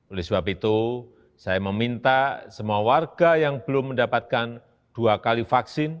oleh sebab itu saya meminta semua warga yang belum mendapatkan dua kali vaksin